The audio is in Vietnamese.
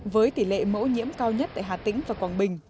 với tỷ lệ mẫu nhiễm cao nhất tại hà tĩnh và quảng bình